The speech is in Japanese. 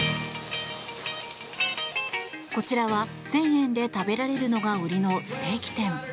こちらは１０００円で食べられるのが売りのステーキ店。